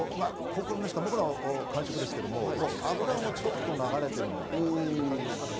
僕の感触ですけど、油もちょっと流れてるんじゃないかという感じ、しますね。